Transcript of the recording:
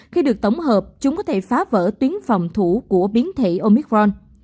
khi được tổng hợp chúng có thể phá vỡ tuyến phòng thủ của biến thể omicron